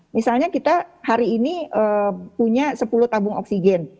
misalnya kita hari ini punya sepuluh tabung oksigen